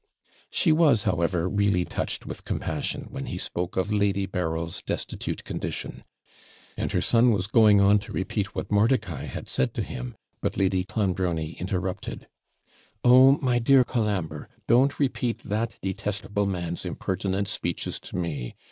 She was, however, really touched with compassion when he spoke of Lady Berryl's destitute condition; and her son was going on to repeat what Mordicai had said to him, but Lady Clonbrony interrupted 'Oh, my dear Colambre! don't repeat that detestable man's impertinent speeches to me.